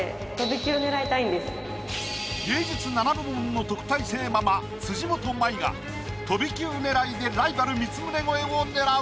芸術７部門の特待生ママ辻元舞が飛び級狙いでライバル光宗超えを狙う。